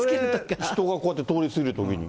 人がこうやって通り過ぎたときに。